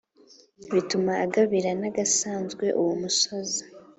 Bituma agabira Nagasanzwe uwo musozi